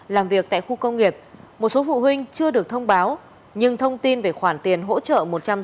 làm việc tại khu công nghiệp một số phụ huynh chưa được thông báo nhưng thông tin về khoản tiền hỗ trợ